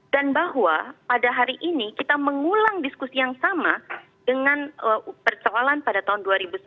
dan bahwa pada hari ini kita mengulang diskusi yang sama dengan persoalan pada tahun dua ribu sembilan belas